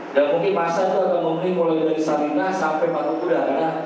dan mungkin masa itu akan memulih oleh dari serikat sampai patung kuda